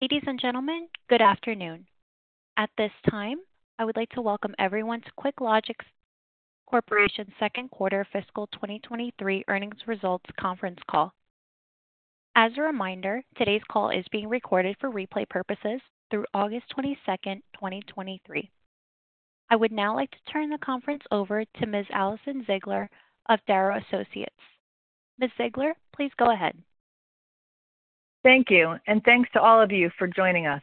Ladies and gentlemen, good afternoon. At this time, I would like to welcome everyone to QuickLogic Corporation's second quarter fiscal 2023 earnings results conference call. As a reminder, today's call is being recorded for replay purposes through August 22nd, 2023. I would now like to turn the conference over to Ms. Alison Ziegler of Darrow Associates. Ms. Ziegler, please go ahead. Thank you, and thanks to all of you for joining us.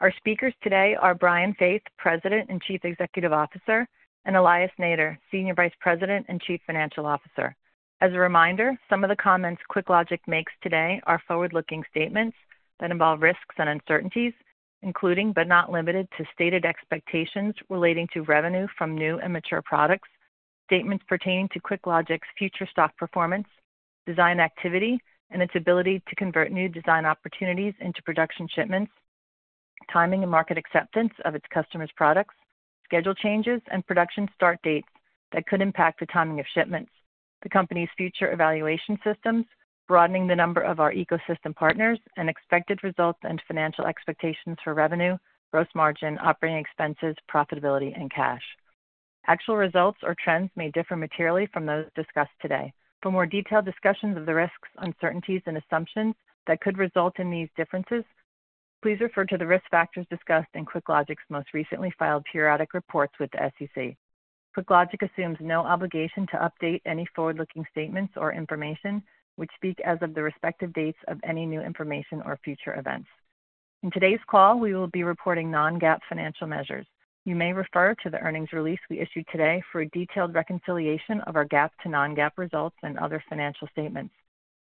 Our speakers today are Brian Faith, President and Chief Executive Officer, and Elias Nader, Senior Vice President and Chief Financial Officer. As a reminder, some of the comments QuickLogic makes today are forward-looking statements that involve risks and uncertainties, including, but not limited to, stated expectations relating to revenue from new and mature products, statements pertaining to QuickLogic's future stock performance, design activity, and its ability to convert new design opportunities into production shipments, timing and market acceptance of its customers' products, schedule changes and production start dates that could impact the timing of shipments, the company's future evaluation systems, broadening the number of our ecosystem partners, and expected results and financial expectations for revenue, gross margin, operating expenses, profitability, and cash. Actual results or trends may differ materially from those discussed today. For more detailed discussions of the risks, uncertainties, and assumptions that could result in these differences, please refer to the risk factors discussed in QuickLogic's most recently filed periodic reports with the SEC. QuickLogic assumes no obligation to update any forward-looking statements or information, which speak as of the respective dates of any new information or future events. In today's call, we will be reporting non-GAAP financial measures. You may refer to the earnings release we issued today for a detailed reconciliation of our GAAP to non-GAAP results and other financial statements.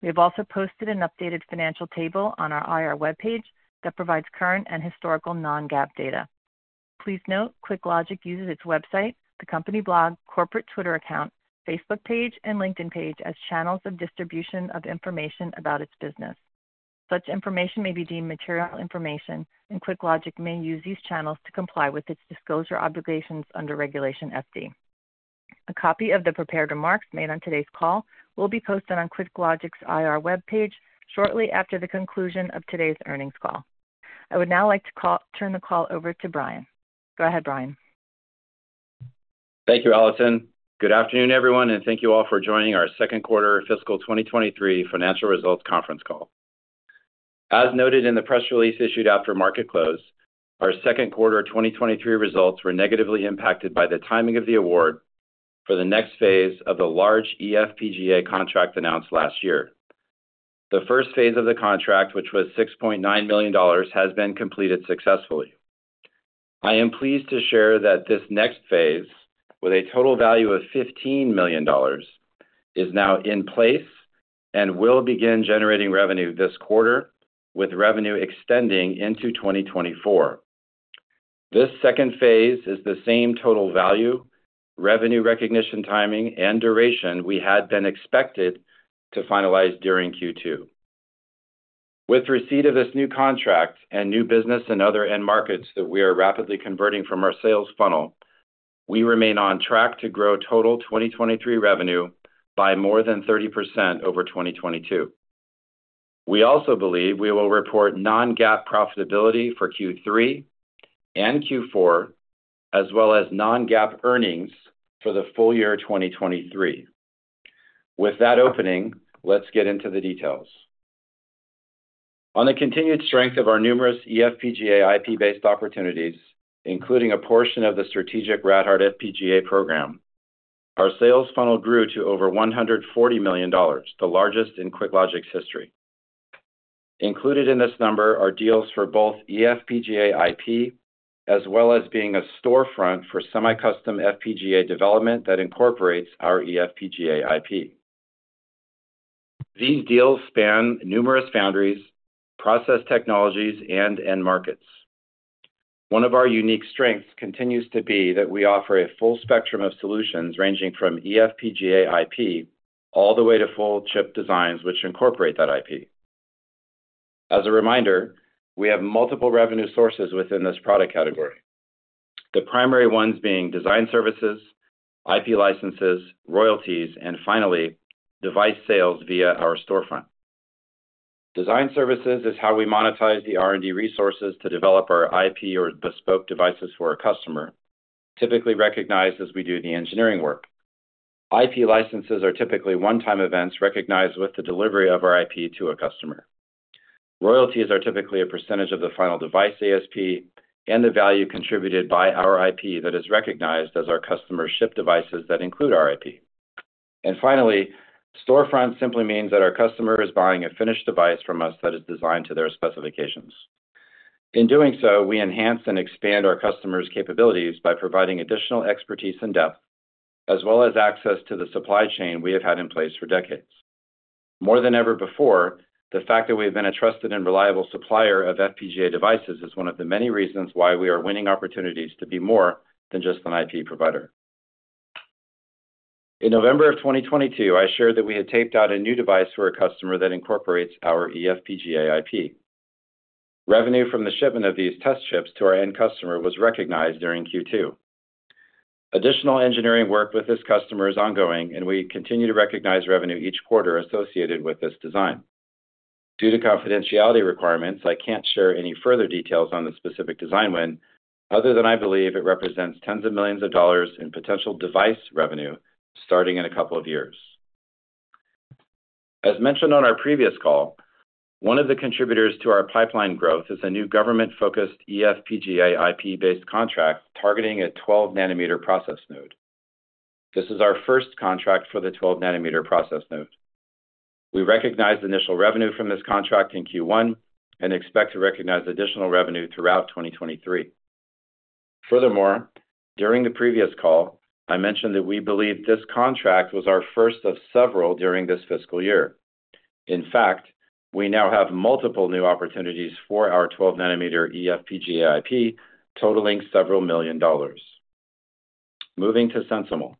We have also posted an updated financial table on our IR webpage that provides current and historical non-GAAP data. Please note, QuickLogic uses its website, the company blog, corporate Twitter account, Facebook page, and LinkedIn page as channels of distribution of information about its business. Such information may be deemed material information, and QuickLogic may use these channels to comply with its disclosure obligations under Regulation FD. A copy of the prepared remarks made on today's call will be posted on QuickLogic's IR webpage shortly after the conclusion of today's earnings call. I would now like to turn the call over to Brian. Go ahead, Brian. Thank you, Alison. Good afternoon, everyone, and thank you all for joining our second quarter fiscal 2023 financial results conference call. As noted in the press release issued after market close, our second quarter of 2023 results were negatively impacted by the timing of the award for the next phase of the large eFPGA contract announced last year. The first phase of the contract, which was $6.9 million, has been completed successfully. I am pleased to share that this next phase, with a total value of $15 million, is now in place and will begin generating revenue this quarter, with revenue extending into 2024. This second phase is the same total value, revenue recognition, timing, and duration we had been expected to finalize during Q2. With receipt of this new contract and new business and other end markets that we are rapidly converting from our sales funnel, we remain on track to grow total 2023 revenue by more than 30% over 2022. We also believe we will report non-GAAP profitability for Q3 and Q4, as well as non-GAAP earnings for the full year 2023. With that opening, let's get into the details. On the continued strength of our numerous eFPGA IP-based opportunities, including a portion of the strategic Rad-Hard FPGA program, our sales funnel grew to over $140 million, the largest in QuickLogic's history. Included in this number are deals for both eFPGA IP, as well as being a storefront for semi-custom FPGA development that incorporates our eFPGA IP. These deals span numerous foundries, process technologies, and end markets. One of our unique strengths continues to be that we offer a full spectrum of solutions, ranging from eFPGA IP all the way to full chip designs, which incorporate that IP. As a reminder, we have multiple revenue sources within this product category. The primary ones being design services, IP licenses, royalties, and finally, device sales via our storefront. Design services is how we monetize the R&D resources to develop our IP or bespoke devices for a customer, typically recognized as we do the engineering work. IP licenses are typically one-time events recognized with the delivery of our IP to a customer. Royalties are typically a percentage of the final device ASP and the value contributed by our IP that is recognized as our customer ship devices that include our IP. Finally, storefront simply means that our customer is buying a finished device from us that is designed to their specifications. In doing so, we enhance and expand our customer's capabilities by providing additional expertise and depth, as well as access to the supply chain we have had in place for decades. More than ever before, the fact that we have been a trusted and reliable supplier of FPGA devices is one of the many reasons why we are winning opportunities to be more than just an IP provider. In November of 2022, I shared that we had taped out a new device for a customer that incorporates our eFPGA IP. Revenue from the shipment of these test chips to our end customer was recognized during Q2. Additional engineering work with this customer is ongoing, and we continue to recognize revenue each quarter associated with this design. Due to confidentiality requirements, I can't share any further details on the specific design win, other than I believe it represents $tens of millions in potential device revenue starting in a couple of years. As mentioned on our previous call, one of the contributors to our pipeline growth is a new government-focused eFPGA IP-based contract targeting a 12-nanometer process node. This is our first contract for the 12-nanometer process node. We recognized initial revenue from this contract in Q1 and expect to recognize additional revenue throughout 2023. Furthermore, during the previous call, I mentioned that we believe this contract was our first of several during this fiscal year. In fact, we now have multiple new opportunities for our 12-nanometer eFPGA IP, totaling $several million. Moving to SensiML.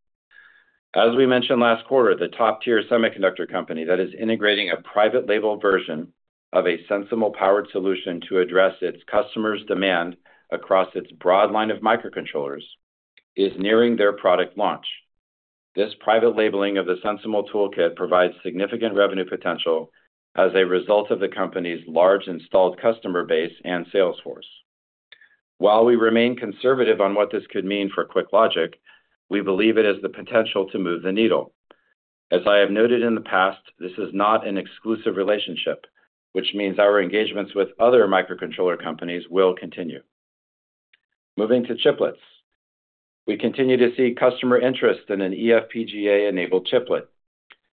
As we mentioned last quarter, the top-tier semiconductor company that is integrating a private label version of a SensiML-powered solution to address its customers' demand across its broad line of microcontrollers, is nearing their product launch. This private labeling of the SensiML toolkit provides significant revenue potential as a result of the company's large installed customer base and sales force. While we remain conservative on what this could mean for QuickLogic, we believe it has the potential to move the needle. As I have noted in the past, this is not an exclusive relationship, which means our engagements with other microcontroller companies will continue. Moving to chiplets. We continue to see customer interest in an eFPGA-enabled chiplet.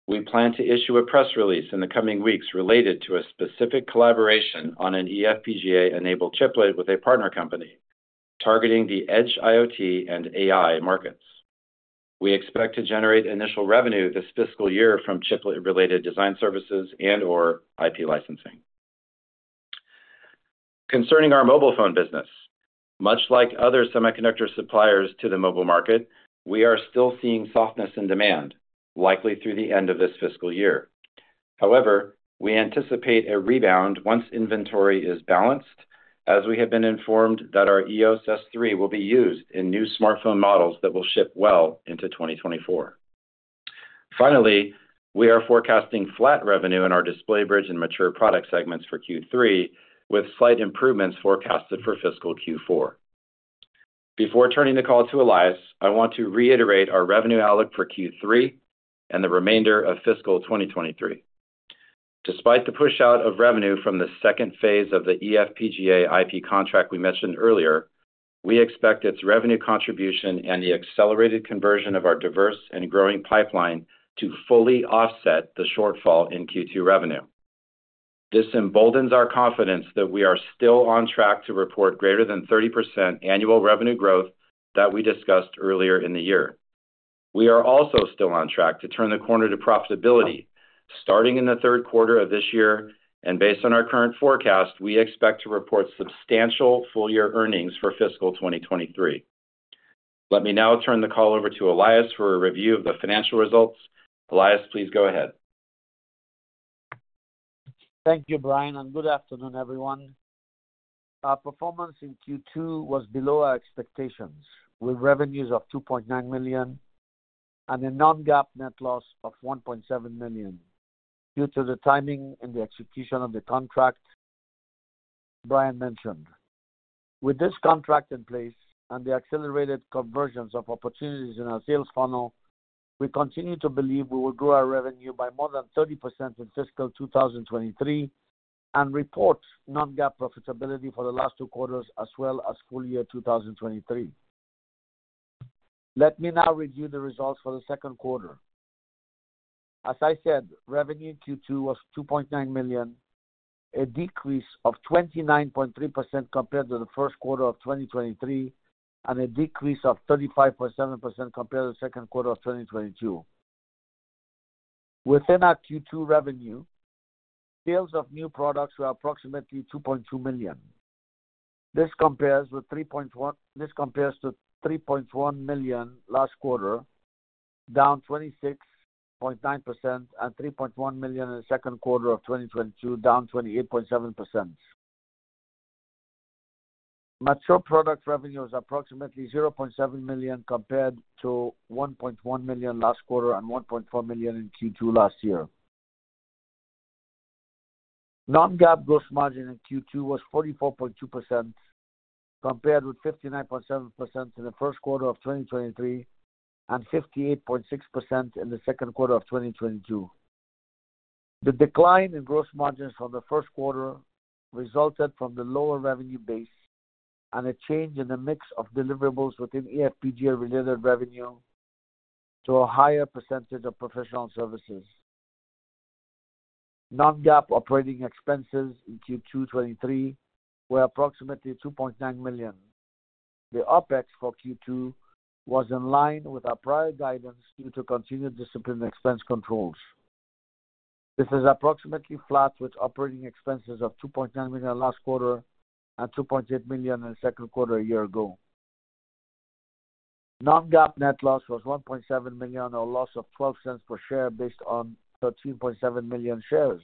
We plan to issue a press release in the coming weeks related to a specific collaboration on an eFPGA-enabled chiplet with a partner company, targeting the edge IoT and AI markets. We expect to generate initial revenue this fiscal year from chiplet-related design services and/or IP licensing. Concerning our mobile phone business, much like other semiconductor suppliers to the mobile market, we are still seeing softness in demand, likely through the end of this fiscal year. However, we anticipate a rebound once inventory is balanced, as we have been informed that our EOS S3 will be used in new smartphone models that will ship well into 2024. Finally, we are forecasting flat revenue in our Display Bridge and mature product segments for Q3, with slight improvements forecasted for fiscal Q4. Before turning the call to Elias, I want to reiterate our revenue outlook for Q3 and the remainder of fiscal 2023. Despite the push-out of revenue from the second phase of the eFPGA IP contract we mentioned earlier, we expect its revenue contribution and the accelerated conversion of our diverse and growing pipeline to fully offset the shortfall in Q2 revenue. This emboldens our confidence that we are still on track to report greater than 30% annual revenue growth that we discussed earlier in the year. We are also still on track to turn the corner to profitability starting in the third quarter of this year, and based on our current forecast, we expect to report substantial full-year earnings for fiscal 2023. Let me now turn the call over to Elias for a review of the financial results. Elias, please go ahead. Thank you, Brian, good afternoon, everyone. Our performance in Q2 was below our expectations, with revenues of $2.9 million and a non-GAAP net loss of $1.7 million due to the timing and the execution of the contract Brian mentioned. With this contract in place and the accelerated conversions of opportunities in our sales funnel, we continue to believe we will grow our revenue by more than 30% in fiscal 2023 and report non-GAAP profitability for the last two quarters, as well as full year 2023. Let me now review the results for the second quarter. As I said, revenue in Q2 was $2.9 million, a decrease of 29.3% compared to the first quarter of 2023, and a decrease of 35.7% compared to the second quarter of 2022. Within our Q2 revenue, sales of new products were approximately $2.2 million. This compares to $3.1 million last quarter, down 26.9%, and $3.1 million in the second quarter of 2022, down 28.7%. Mature product revenue is approximately $0.7 million, compared to $1.1 million last quarter and $1.4 million in Q2 last year. Non-GAAP gross margin in Q2 was 44.2%, compared with 59.7% in the first quarter of 2023 and 58.6% in the second quarter of 2022. The decline in gross margins from the first quarter resulted from the lower revenue base and a change in the mix of deliverables within eFPGA-related revenue to a higher percentage of professional services. Non-GAAP operating expenses in Q2 2023 were approximately $2.9 million. The OpEx for Q2 was in line with our prior guidance due to continued disciplined expense controls. This is approximately flat, with operating expenses of $2.9 million last quarter and $2.8 million in the second quarter a year ago. Non-GAAP net loss was $1.7 million, a loss of $0.12 per share, based on 13.7 million shares.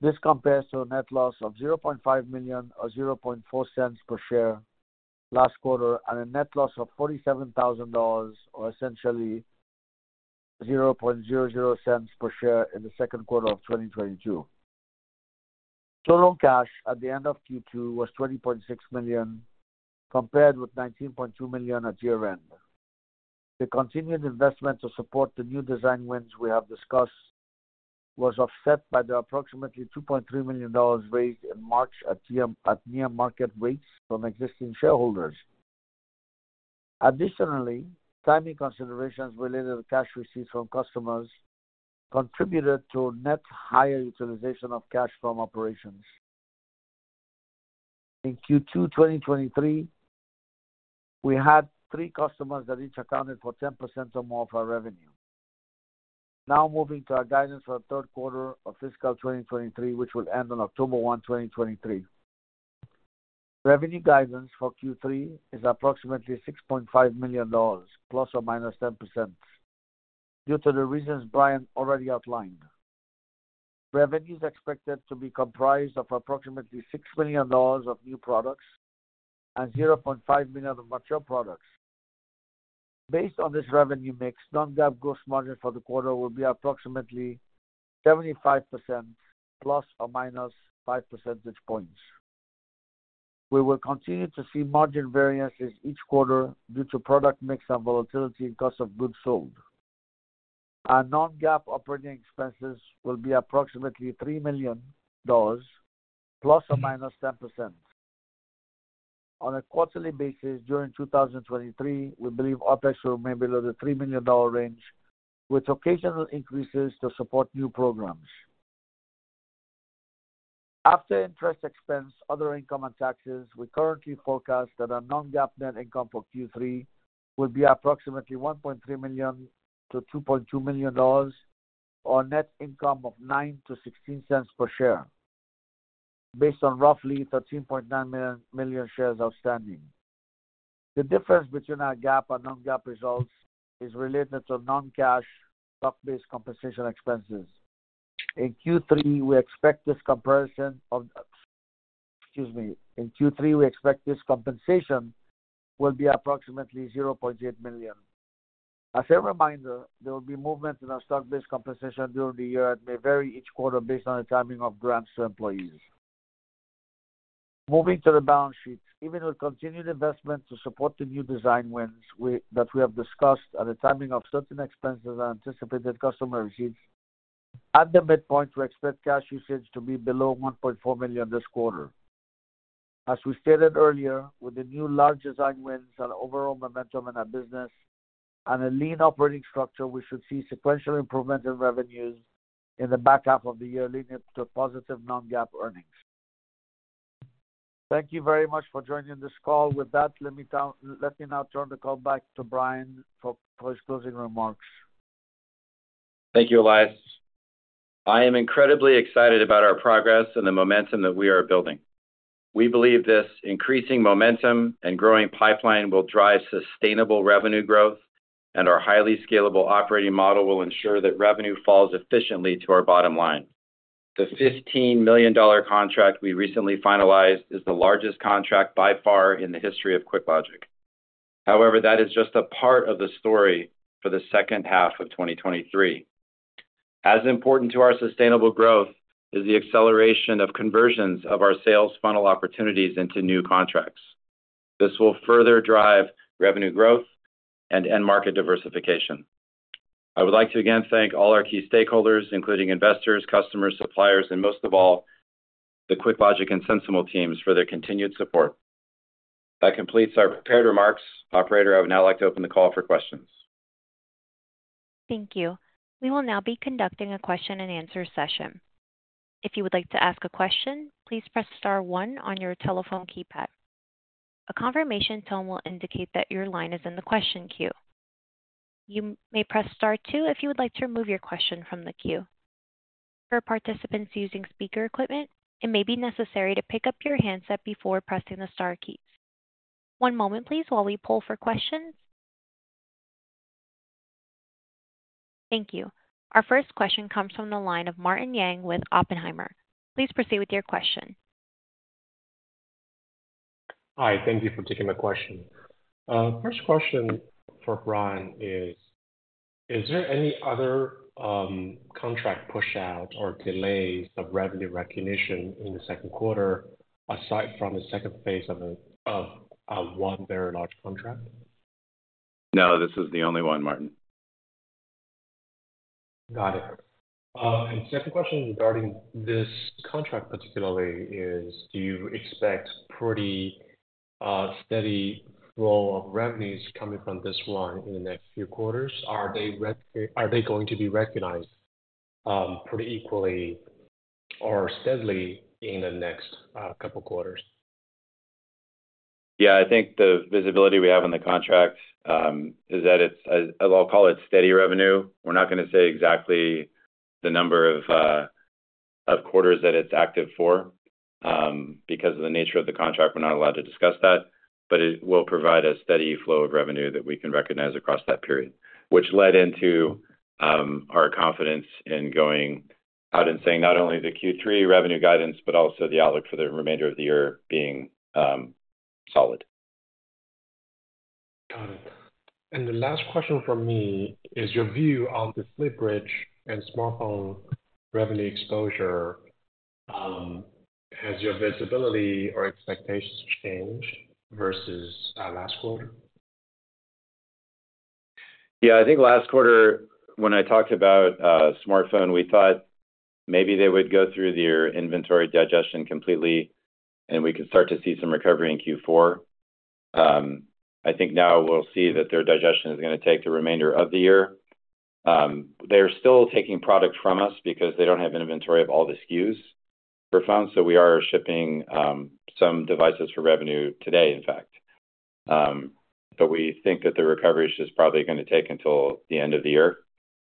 This compares to a net loss of $0.5 million or $0.004 per share last quarter, and a net loss of $47,000, or essentially $0.00 per share in the second quarter of 2022. Total cash at the end of Q2 was $20.6 million, compared with $19.2 million at year-end. The continued investment to support the new design wins we have discussed was offset by the approximately $2.3 million raised in March at near, at near market rates from existing shareholders. Additionally, timing considerations related to cash receipts from customers contributed to a net higher utilization of cash from operations. In Q2 2023, we had three customers that each accounted for 10% or more of our revenue. Now moving to our guidance for the third quarter of fiscal 2023, which will end on October 1, 2023. Revenue guidance for Q3 is approximately $6.5 million, ±10%, due to the reasons Brian already outlined. Revenue is expected to be comprised of approximately $6 million of new products and $0.5 million of mature products. Based on this revenue mix, non-GAAP gross margin for the quarter will be approximately 75% ±5 percentage points. We will continue to see margin variances each quarter due to product mix and volatility in cost of goods sold. Our non-GAAP operating expenses will be approximately $3 million ±10%. On a quarterly basis, during 2023, we believe OpEx will may be below the $3 million range, with occasional increases to support new programs. After interest expense, other income and taxes, we currently forecast that our non-GAAP net income for Q3 will be approximately $1.3 million-$2.2 million, or a net income of $0.09-$0.16 per share, based on roughly 13.9 million shares outstanding. The difference between our GAAP and non-GAAP results is related to non-cash stock-based compensation expenses. In Q3, we expect this compensation will be approximately $0.8 million. As a reminder, there will be movement in our stock-based compensation during the year and may vary each quarter based on the timing of grants to employees. Moving to the balance sheet. Even with continued investment to support the new design wins that we have discussed and the timing of certain expenses and anticipated customer receipts, at the midpoint, we expect cash usage to be below $1.4 million this quarter. As we stated earlier, with the new large design wins and overall momentum in our business and a lean operating structure, we should see sequential improvement in revenues in the back half of the year, leading to positive non-GAAP earnings. Thank you very much for joining this call. With that, let me now turn the call back to Brian for his closing remarks. Thank you, Elias. I am incredibly excited about our progress and the momentum that we are building. We believe this increasing momentum and growing pipeline will drive sustainable revenue growth, and our highly scalable operating model will ensure that revenue falls efficiently to our bottom line. The $15 million contract we recently finalized is the largest contract by far in the history of QuickLogic. However, that is just a part of the story for the second half of 2023. As important to our sustainable growth is the acceleration of conversions of our sales funnel opportunities into new contracts. This will further drive revenue growth and end-market diversification. I would like to again thank all our key stakeholders, including investors, customers, suppliers, and most of all, the QuickLogic and SensiML teams for their continued support. That completes our prepared remarks. Operator, I would now like to open the call for questions. Thank you. We will now be conducting a question and answer session. If you would like to ask a question, please press star one on your telephone keypad. A confirmation tone will indicate that your line is in the question queue. You may press star two if you would like to remove your question from the queue. For participants using speaker equipment, it may be necessary to pick up your handset before pressing the star keys. One moment, please, while we pull for questions. Thank you. Our first question comes from the line of Martin Yang with Oppenheimer. Please proceed with your question. Hi, thank you for taking my question. First question for Brian, is there any other contract pushout or delays of revenue recognition in the second quarter, aside from the second phase of one very large contract? No, this is the only one, Martin. Got it. Second question regarding this contract particularly is, do you expect pretty steady flow of revenues coming from this one in the next few quarters? Are they going to be recognized pretty equally or steadily in the next couple quarters? Yeah, I think the visibility we have on the contract is that it's, as I'll call it, steady revenue. We're not going to say exactly the number of quarters that it's active for. Because of the nature of the contract, we're not allowed to discuss that, but it will provide a steady flow of revenue that we can recognize across that period. Which led into our confidence in going out and saying not only the Q3 revenue guidance but also the outlook for the remainder of the year being solid. Got it. The last question from me is your view on the Display Bridge and smartphone revenue exposure, has your visibility or expectations changed versus last quarter? Yeah, I think last quarter, when I talked about smartphone, we thought maybe they would go through their inventory digestion completely, and we could start to see some recovery in Q4. I think now we'll see that their digestion is gonna take the remainder of the year. They're still taking product from us because they don't have inventory of all the SKUs for phones, so we are shipping some devices for revenue today, in fact. We think that the recovery is just probably gonna take until the end of the year.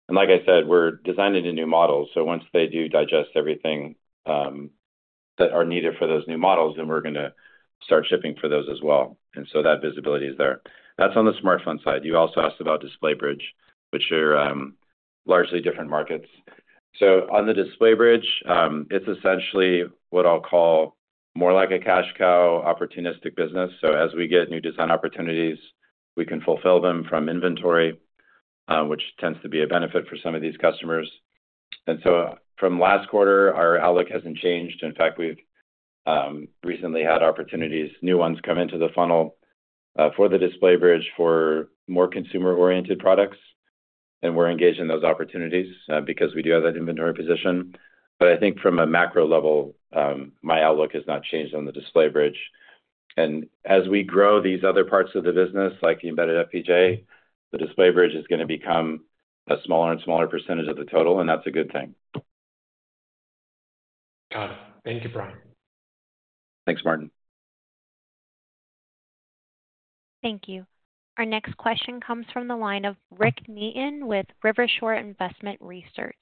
Like I said, we're designing a new model, so once they do digest everything that are needed for those new models, then we're gonna start shipping for those as well. That visibility is there. That's on the smartphone side. You also asked about Display Bridge, which are largely different markets. On the Display Bridge, it's essentially what I'll call more like a cash cow, opportunistic business. As we get new design opportunities, we can fulfill them from inventory, which tends to be a benefit for some of these customers. From last quarter, our outlook hasn't changed. In fact, we've recently had opportunities, new ones, come into the funnel for the Display Bridge for more consumer-oriented products, and we're engaged in those opportunities because we do have that inventory position. I think from a macro level, my outlook has not changed on the Display Bridge. As we grow these other parts of the business, like the embedded FPGA, the Display Bridge is gonna become a smaller and smaller percentage of the total, and that's a good thing. Got it. Thank you, Brian. Thanks, Martin. Thank you. Our next question comes from the line of Rick Neaton with Rivershore Investment Research.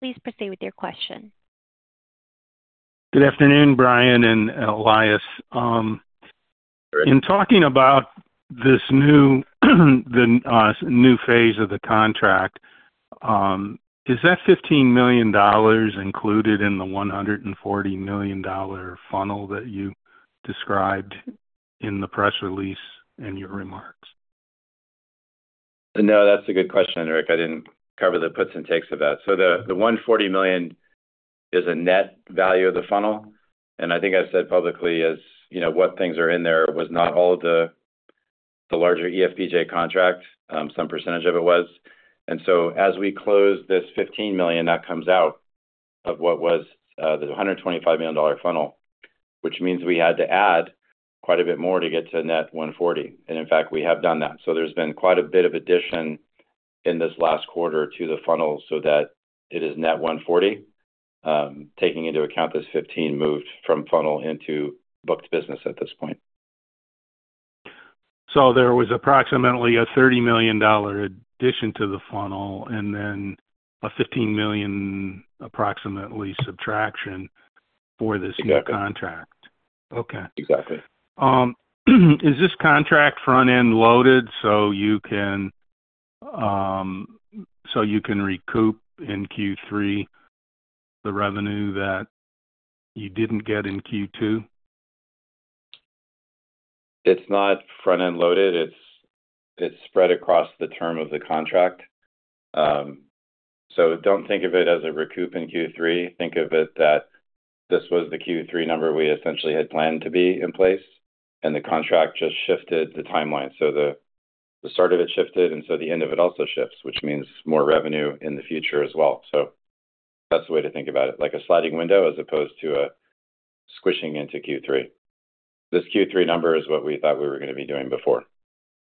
Please proceed with your question. Good afternoon, Brian and, Elias. Rick. In talking about this new, the new phase of the contract, is that $15 million included in the $140 million funnel that you described in the press release and your remarks? No, that's a good question, Rick. I didn't cover the puts and takes of that. The $140 million is a net value of the funnel, and I think I said publicly, as you know, what things are in there was not all the larger eFPGA contract, some percentage of it was. As we close this $15 million, that comes out of what was the $125 million funnel, which means we had to add quite a bit more to get to net $140. In fact, we have done that. There's been quite a bit of addition in this last quarter to the funnel so that it is net $140, taking into account this $15 moved from funnel into booked business at this point. There was approximately a $30 million addition to the funnel and then a $15 million approximately subtraction for this. Exactly. new contract. Okay. Exactly. Is this contract front-end loaded so you can, so you can recoup in Q3, the revenue that you didn't get in Q2? It's not front-end loaded. It's, it's spread across the term of the contract. Don't think of it as a recoup in Q3, think of it that this was the Q3 number we essentially had planned to be in place, and the contract just shifted the timeline. The, the start of it shifted, and so the end of it also shifts, which means more revenue in the future as well. That's the way to think about it, like a sliding window as opposed to a squishing into Q3. This Q3 number is what we thought we were gonna be doing before,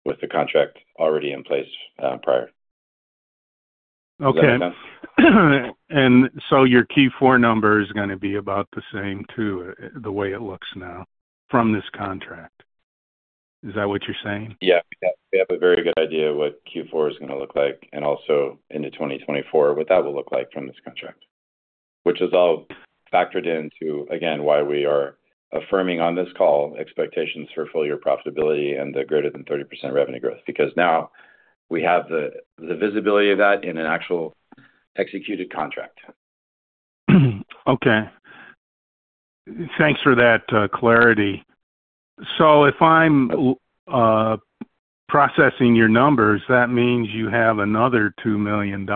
with the contract already in place, prior. Okay. Does that make sense? Your Q4 number is gonna be about the same, too, the way it looks now from this contract. Is that what you're saying? Yeah. We have, we have a very good idea what Q4 is gonna look like, and also into 2024, what that will look like from this contract. Which is all factored into, again, why we are affirming on this call expectations for full year profitability and the greater than 30% revenue growth, because now we have the, the visibility of that in an actual executed contract. Okay. Thanks for that, clarity. If I'm processing your numbers, that means you have another $2 million,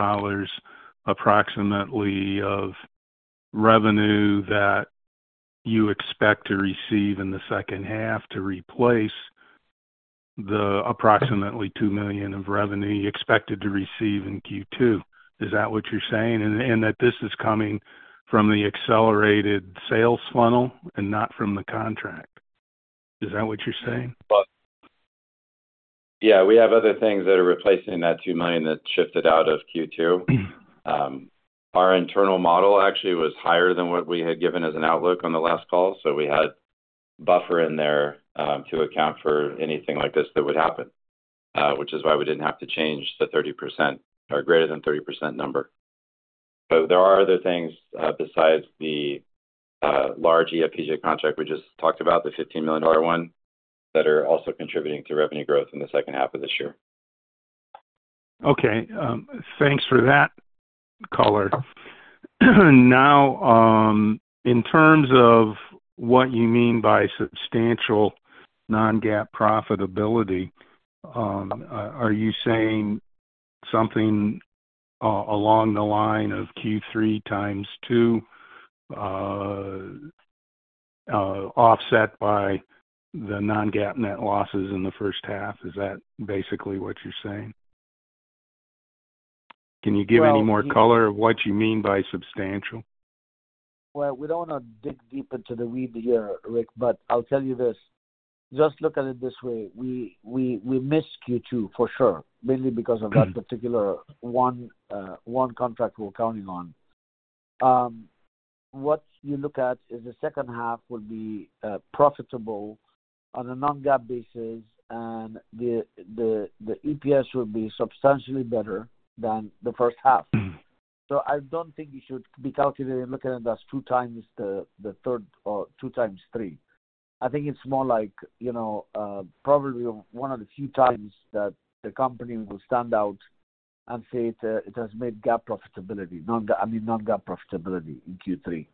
approximately, of revenue that you expect to receive in the second half to replace the approximately $2 million of revenue you expected to receive in Q2. Is that what you're saying? That this is coming from the accelerated sales funnel and not from the contract, is that what you're saying? Well, yeah, we have other things that are replacing that $2 million that shifted out of Q2. Our internal model actually was higher than what we had given as an outlook on the last call, so we had buffer in there to account for anything like this that would happen, which is why we didn't have to change the 30% or greater than 30% number. There are other things besides the large FPGA contract we just talked about, the $15 million one, that are also contributing to revenue growth in the second half of this year. Okay, thanks for that color. Now, in terms of what you mean by substantial non-GAAP profitability, are you saying something along the line of Q3 times 2, offset by the non-GAAP net losses in the first half? Is that basically what you're saying? Can you give any more color of what you mean by substantial? We don't want to dig deep into the weeds here, Rick, but I'll tell you this, just look at it this way. We missed Q2 for sure, mainly because of that particular one contract we were counting on. What you look at is the second half will be profitable on a non-GAAP basis, and the, the, the EPS will be substantially better than the first half. I don't think you should be calculating and looking at it as two times the third or two times three. I think it's more like, you know, probably one of the few times that the company will stand out and say it has made GAAP profitability, non-GAAP, I mean, non-GAAP profitability in Q3.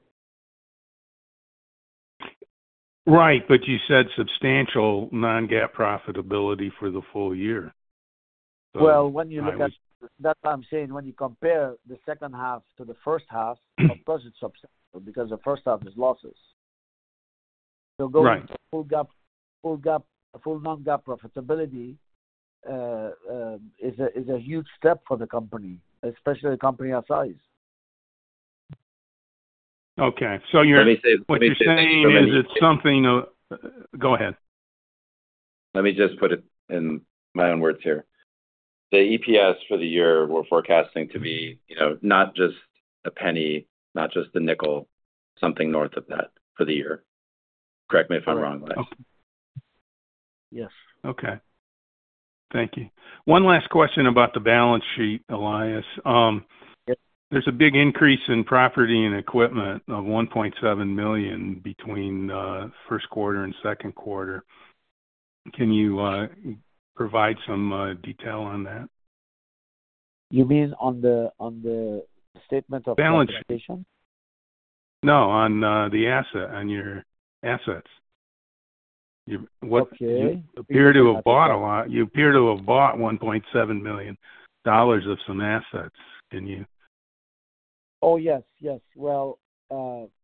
Right, but you said substantial non-GAAP profitability for the full year. I was- Well, when you look at... That's what I'm saying. When you compare the second half to the first half, of course, it's substantial, because the first half is losses. Right. Going full GAAP, full GAAP, full non-GAAP profitability is a huge step for the company, especially a company our size. Okay, so you're- Let me say. What you're saying is it's something of... Go ahead. Let me just put it in my own words here. The EPS for the year, we're forecasting to be, you know, not just a penny, not just a nickel, something north of that for the year. Correct me if I'm wrong, Elias. Yes. Okay. Thank you. One last question about the balance sheet, Elias. Yep. There's a big increase in property and equipment of $1.7 million between first quarter and second quarter. Can you provide some detail on that? You mean on the, on the statement of classification? Balance sheet. No, on, the asset, on your assets. Okay. You appear to have bought $1.7 million of some assets, didn't you? Oh, yes. Well,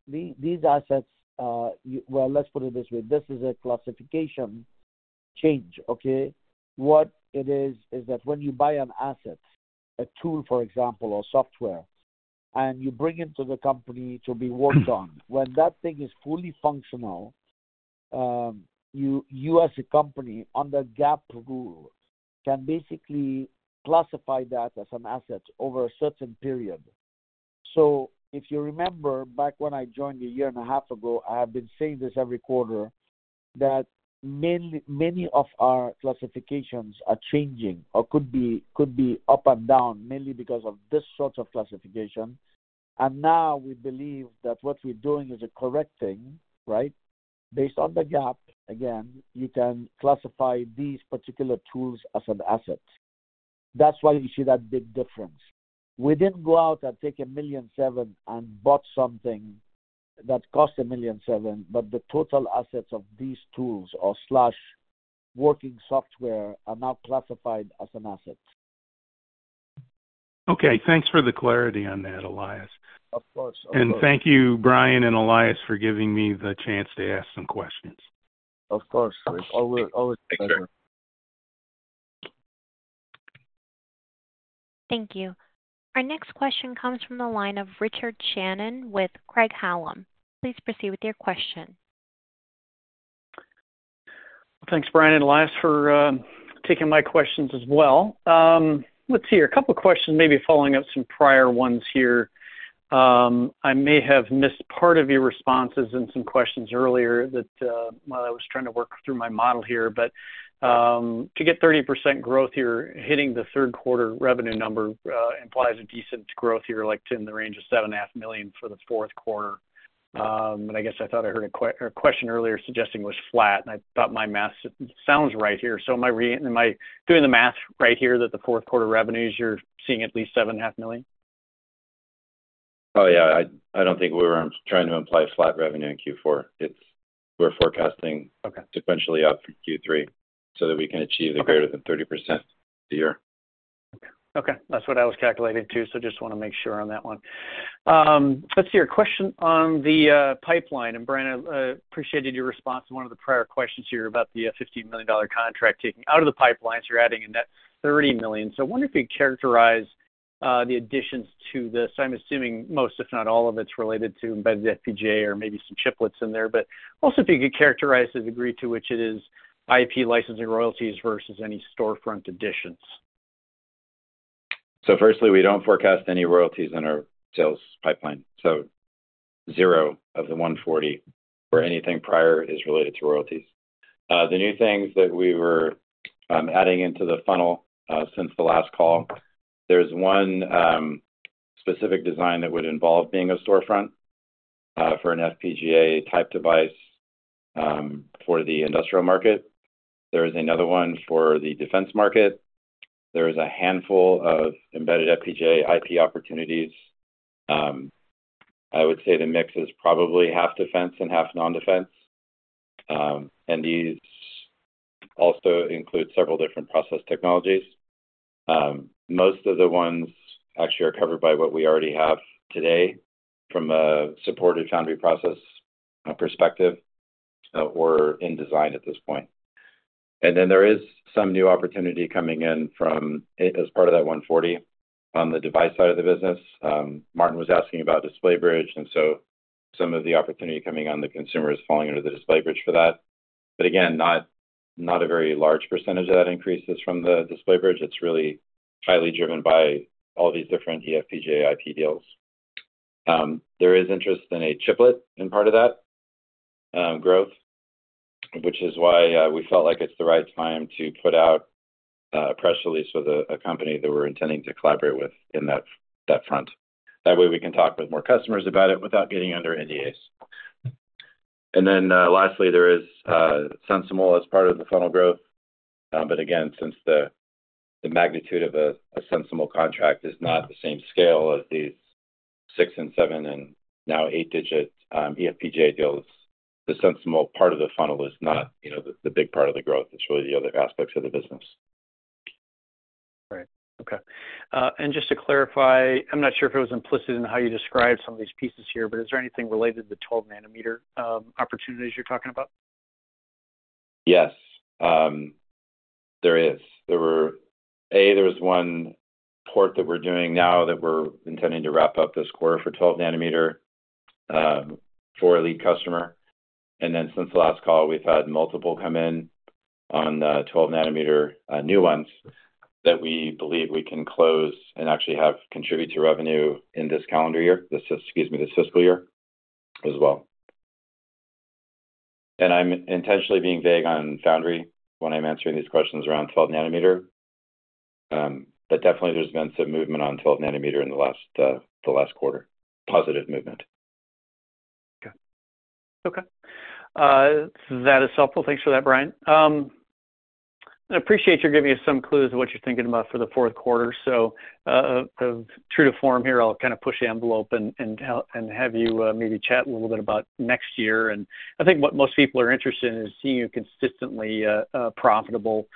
these assets, well, let's put it this way. This is a classification change, okay? What it is, is that when you buy an asset, a tool, for example, or software, and you bring it to the company to be worked on, when that thing is fully functional, you, you as a company, under GAAP rule, can basically classify that as an asset over a certain period. If you remember back when I joined a year and a half ago, I have been saying this every quarter, that mainly- many of our classifications are changing or could be, could be up and down, mainly because of this sort of classification. Now we believe that what we're doing is a correct thing, right? Based on the GAAP, again, you can classify these particular tools as an asset. That's why you see that big difference. We didn't go out and take $1.7 million and bought something that cost $1.7 million, but the total assets of these tools or slash working software are now classified as an asset. Okay, thanks for the clarity on that, Elias. Of course. Thank you, Brian and Elias, for giving me the chance to ask some questions. Of course, Rick. Always, always together. Thank you. Thank you. Our next question comes from the line of Richard Shannon with Craig-Hallum. Please proceed with your question. Thanks, Brian and Elias, for taking my questions as well. Let's see here. A couple of questions, maybe following up some prior ones here. I may have missed part of your responses in some questions earlier that while I was trying to work through my model here. To get 30% growth, you're hitting the third quarter revenue number, implies a decent growth year, like in the range of $7.5 million for the fourth quarter. I guess I thought I heard a question earlier suggesting it was flat, and I thought my math sounds right here. Am I doing the math right here, that the fourth quarter revenues, you're seeing at least $7.5 million? Oh, yeah. I, I don't think we were trying to imply flat revenue in Q4. It's- we're forecasting- Okay. Sequentially up from Q3 so that we can achieve. Okay. Greater than 30% year. Okay. That's what I was calculating too, so just want to make sure on that one. Let's see here. A question on the pipeline. Brian, I appreciated your response to one of the prior questions here about the $15 million contract taking out of the pipeline, you're adding a net $30 million. I wonder if you'd characterize the additions to this. I'm assuming most, if not all of it, is related to Embedded FPGA or maybe some chiplets in there, but also if you could characterize the degree to which it is IP license and royalties versus any storefront additions? Firstly, we don't forecast any royalties in our sales pipeline. Zero of the 140 or anything prior is related to royalties. The new things that we were adding into the funnel since the last call, there's one specific design that would involve being a storefront for an FPGA type device for the industrial market. There is another one for the defense market. There is a handful of embedded FPGA IP opportunities. I would say the mix is probably half defense and half non-defense. These also include several different process technologies. Most of the ones actually are covered by what we already have today from a supported foundry process perspective or in design at this point. There is some new opportunity coming in from, as part of that 140 on the device side of the business. Martin was asking about Display Bridge, some of the opportunity coming on the consumer is falling under the Display Bridge for that. Again, not a very large % of that increases from the Display Bridge. It's really highly driven by all these different eFPGA IP deals. There is interest in a chiplet in part of that growth, which is why we felt like it's the right time to put out a press release with a company that we're intending to collaborate with in that, that front. That way, we can talk with more customers about it without getting under NDAs. Lastly, there is SensiML as part of the funnel growth. Again, since the magnitude of a, a SensiML contract is not the same scale as these six and seven and now 8-digit eFPGA deals, the SensiML part of the funnel is not, you know, the, the big part of the growth. It's really the other aspects of the business. Right. Okay. Just to clarify, I'm not sure if it was implicit in how you described some of these pieces here, but is there anything related to the 12-nanometer opportunities you're talking about? Yes, there is. There was one port that we're doing now that we're intending to wrap up this quarter for 12-nanometer for a lead customer. Since the last call, we've had multiple come in on the 12-nanometer, new ones that we believe we can close and actually have contribute to revenue in this calendar year, this, excuse me, this fiscal year as well. I'm intentionally being vague on foundry when I'm answering these questions around 12-nanometer. Definitely there's been some movement on 12-nanometer in the last quarter. Positive movement. Okay. That is helpful. Thanks for that, Brian. I appreciate you giving us some clues of what you're thinking about for the fourth quarter. True to form here, I'll kind of push the envelope and, and, and have you maybe chat a little bit about next year. I think what most people are interested in is seeing you consistently profitable.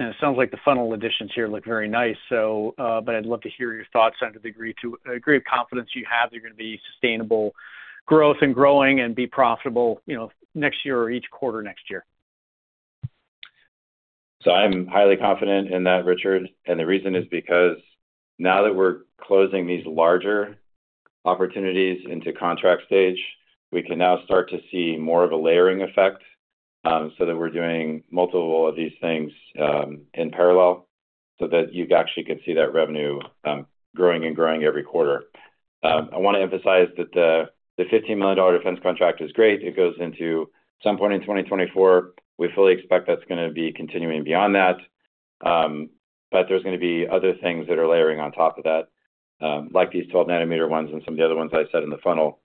It sounds like the funnel additions here look very nice, but I'd love to hear your thoughts on the degree to, degree of confidence you have they're gonna be sustainable growth and growing and be profitable, you know, next year or each quarter next year. I'm highly confident in that, Richard, and the reason is because now that we're closing these larger opportunities into contract stage, we can now start to see more of a layering effect, so that we're doing multiple of these things in parallel, so that you actually can see that revenue growing and growing every quarter. I wanna emphasize that the $15 million defense contract is great. It goes into some point in 2024. We fully expect that's gonna be continuing beyond that. But there's gonna be other things that are layering on top of that, like these 12-nanometer ones and some of the other ones I said in the funnel.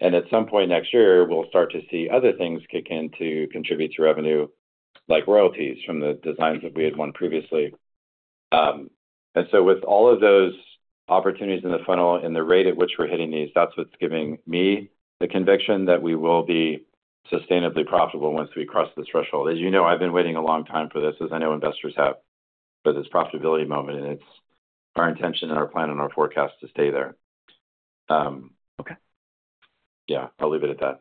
At some point next year, we'll start to see other things kick in to contribute to revenue, like royalties from the designs that we had won previously. With all of those opportunities in the funnel and the rate at which we're hitting these, that's what's giving me the conviction that we will be sustainably profitable once we cross the threshold. As you know, I've been waiting a long time for this, as I know investors have, for this profitability moment, and it's our intention and our plan and our forecast to stay there. Okay. Yeah, I'll leave it at that.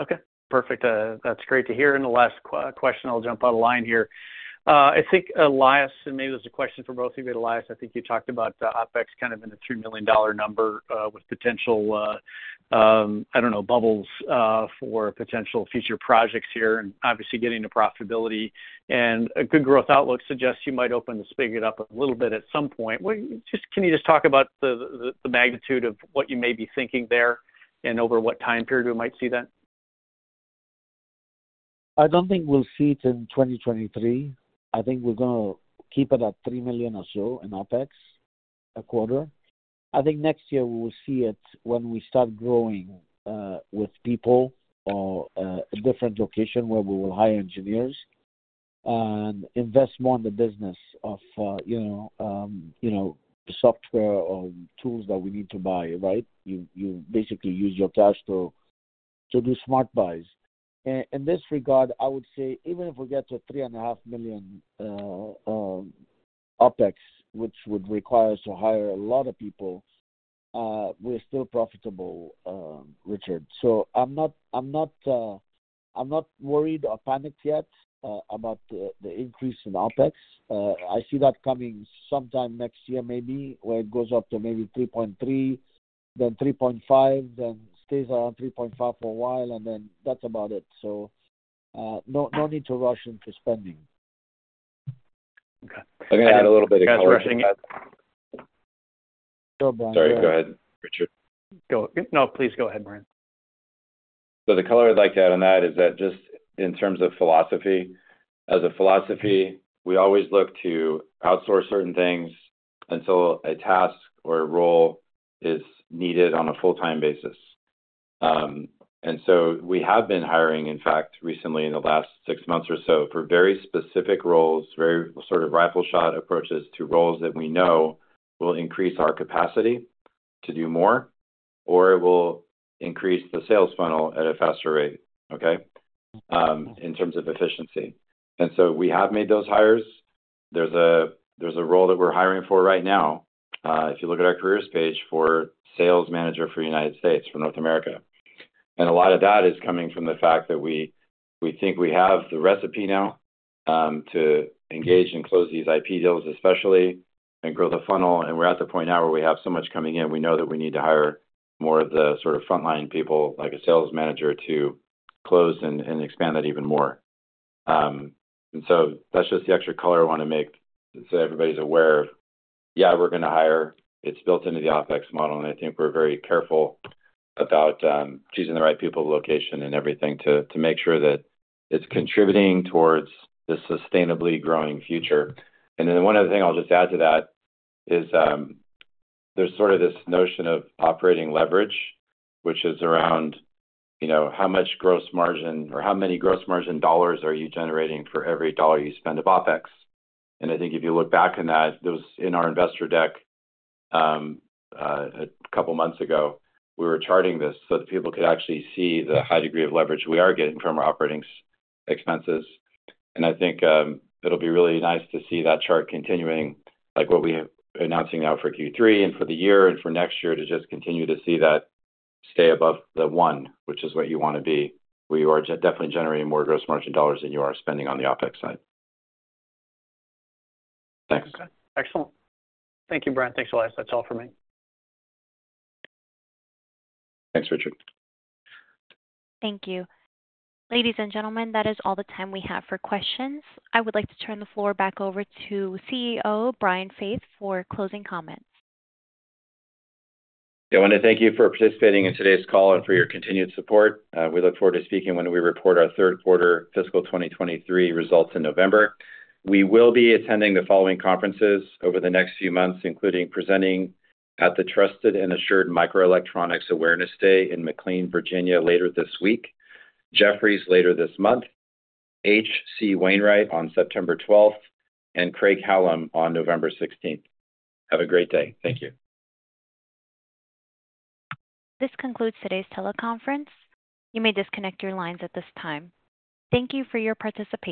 Okay, perfect. That's great to hear. The last question, I'll jump on line here. I think, Elias, and maybe this is a question for both of you, but, Elias, I think you talked about the OpEx kind of in the $3 million number, with potential, I don't know, bubbles, for potential future projects here and obviously getting to profitability. A good growth outlook suggests you might open the spigot up a little bit at some point. Just, can you just talk about the magnitude of what you may be thinking there and over what time period we might see that? I don't think we'll see it in 2023. I think we're gonna keep it at $3 million or so in OpEx a quarter. I think next year we will see it when we start growing, with people or, a different location where we will hire engineers and invest more in the business of, you know, software or tools that we need to buy, right? You basically use your cash to do smart buys. In this regard, I would say even if we get to $3.5 million OpEx, which would require us to hire a lot of people, we're still profitable, Richard. I'm not worried or panicked yet, about the increase in OpEx. I see that coming sometime next year, maybe, where it goes up to maybe 3.3, then 3.5, then stays around 3.5 for a while, and then that's about it. No, no need to rush into spending. Okay. I'm gonna add a little bit of color to that. Guys, rushing in. Go, Brian. Sorry, go ahead, Richard. Go. No, please go ahead, Brian. The color I'd like to add on that is that just in terms of philosophy, as a philosophy, we always look to outsource certain things until a task or role is needed on a full-time basis. We have been hiring, in fact, recently in the last six months or so, for very specific roles, very sort of rifle shot approaches to roles that we know will increase our capacity to do more, or it will increase the sales funnel at a faster rate, okay? In terms of efficiency. We have made those hires. There's a role that we're hiring for right now, if you look at our careers page for sales manager for United States, for North America. A lot of that is coming from the fact that we, we think we have the recipe now to engage and close these IP deals, especially and grow the funnel. We're at the point now where we have so much coming in, we know that we need to hire more of the sort of frontline people, like a sales manager to close and expand that even more. So that's just the extra color I wanna make, so everybody's aware of. Yeah, we're gonna hire. It's built into the OpEx model, and I think we're very careful about choosing the right people, location, and everything to make sure that it's contributing towards the sustainably growing future. One other thing I'll just add to that is, there's sort of this notion of operating leverage, which is around, you know, how much gross margin or how many gross margin dollars are you generating for every dollar you spend of OpEx? I think if you look back on that, those in our investor deck, a couple of months ago, we were charting this so that people could actually see the high degree of leverage we are getting from our operating expenses. I think, it'll be really nice to see that chart continuing, like what we are announcing now for Q3 and for the year and for next year, to just continue to see that stay above the, which is what you wanna be, where you are definitely generating more gross margin dollars than you are spending on the OpEx side. Thanks. Okay, excellent. Thank you, Brian. Thanks a lot. That's all for me. Thanks, Richard. Thank you. Ladies and gentlemen, that is all the time we have for questions. I would like to turn the floor back over to CEO, Brian Faith, for closing comments. I want to thank you for participating in today's call and for your continued support. We look forward to speaking when we report our third quarter fiscal 2023 results in November. We will be attending the following conferences over the next few months, including presenting at the Trusted and Assured Microelectronics Awareness Day in McLean, Virginia, later this week, Jefferies later this month, H.C. Wainwright on September 12th, and Craig-Hallum on November 16th. Have a great day. Thank you. This concludes today's teleconference. You may disconnect your lines at this time. Thank you for your participation.